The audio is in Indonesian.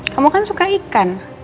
kamu kan suka ikan